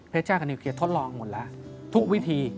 พระเจ้ากันอยู่เครียดทดลองหมดแล้วทุกวิธี